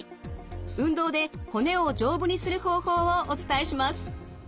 運動で骨を丈夫にする方法をお伝えします。